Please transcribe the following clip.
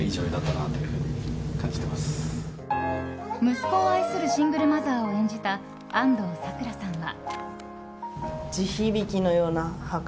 息子を愛するシングルマザーを演じた安藤サクラさんは。